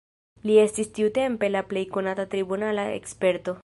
Li estis tiutempe la plej konata tribunala eksperto.